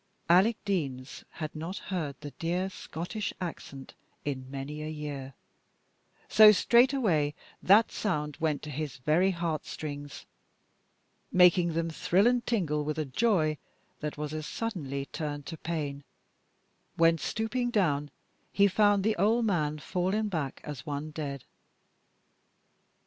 Alec Deans had not heard the dear Scottish accent in many a year, so straightway that sound went to his very heart strings, making them thrill and tingle with a joy that was as suddenly turned to pain, when, stooping down, he found the old man fallen back as one dead.